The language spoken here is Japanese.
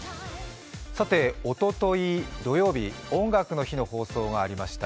さて、おととい土曜日、「音楽の日」の放送がありました。